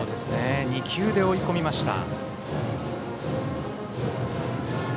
２球で追い込みました。